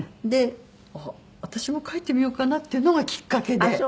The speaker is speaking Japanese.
で私も描いてみようかなっていうのがきっかけで。